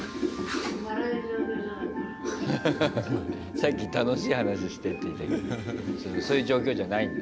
さっき「楽しい話して」って言ったけどそういう状況じゃないんだ。